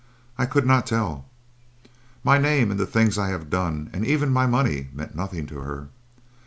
I could not tell. My name and the things I have done and even my money, meant nothing to her.